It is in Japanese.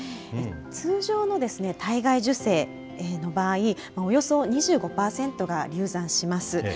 通常の体外受精の場合、およそ２５％が流産します。